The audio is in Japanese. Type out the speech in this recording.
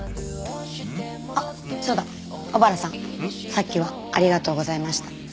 さっきはありがとうございました。